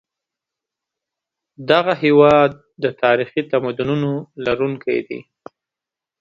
دغه هېواد د تاریخي تمدنونو لرونکی دی.